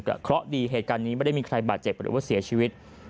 เพราะดีเหตุการณ์นี้ไม่ได้มีใครบาดเจ็บหรือว่าเสียชีวิต